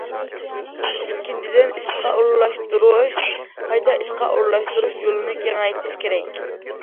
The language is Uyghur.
ئىككىنچىدىن، ئىشقا ئورۇنلاشتۇرۇش، قايتا ئىشقا ئورۇنلاشتۇرۇش يولىنى كېڭەيتىش كېرەك.